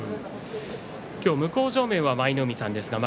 今日、向正面は舞の海さんです。